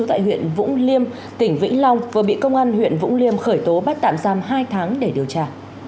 tại huyện vũng liêm tỉnh vĩnh long vừa bị công an huyện vũng liêm khởi tố bắt tạm giam hai tháng để điều tra